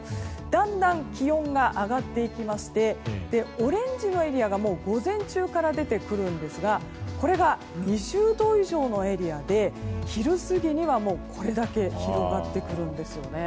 だんだん気温が上がっていきましてオレンジのエリアがもう午前中から出てくるんですがこれが２０度以上のエリアで昼過ぎには、これだけ広がってくるんですね。